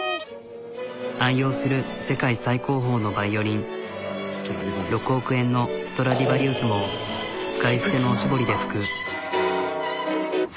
愛用する世界最高峰のヴァイオリン６億円のストラディバリウスも使い捨てのおしぼりで拭く。